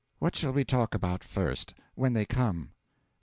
What shall we talk about first when they come?